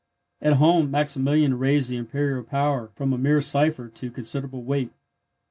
At home Maximilian raised the Imperial power from a mere cipher to considerable weight.